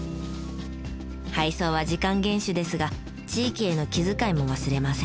配送は時間厳守ですが地域への気遣いも忘れません。